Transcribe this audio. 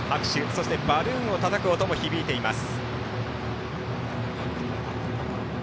そして、バルーンをたたく音も響いています。